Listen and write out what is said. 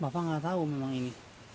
bapak nggak tahu memang ini